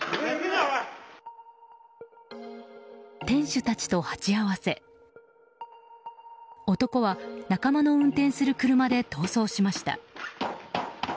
店主たちと鉢合わせ男は仲間の運転する車で逃走しました。